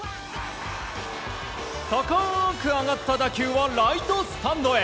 高く上がった打球はライトスタンドへ。